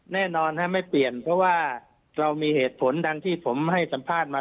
แน่นอนไม่เปลี่ยนเพราะว่าเรามีเหตุผลดังที่ผมให้สัมภาษณ์มา